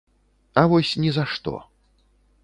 А вось ні за што.